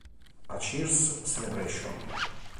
A Cheers Celebration".